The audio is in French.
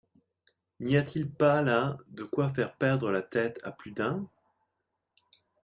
N'y a-t-il pas là de quoi faire perdre la tête à plus d'un ?